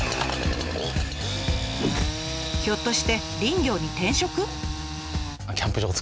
ひょっとして林業に転職？